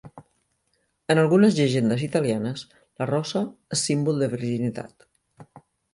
En algunes llegendes italianes, la rosa és símbol de virginitat.